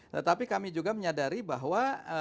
tetapi kami juga menyadari bahwa